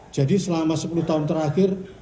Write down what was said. jadi selama sepuluh tahun terakhir